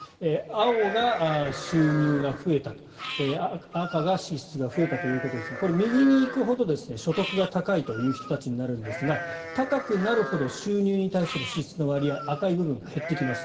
青が収入が増えた赤が支出が増えたということでこれ、右に行くほど所得が高いという人たちになるんですが高くなるほど収入に対する支出の割合赤い部分が減ってきます。